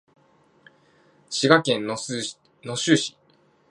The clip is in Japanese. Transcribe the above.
滋賀県野洲市